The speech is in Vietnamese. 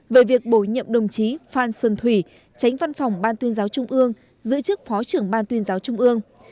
về việc bổ nhiệm đồng chí phan xuân thủy tránh văn phòng ban tuyên giáo trung ương giữ chức phó trưởng ban tuyên giáo trung ương